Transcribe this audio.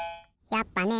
やっぱね！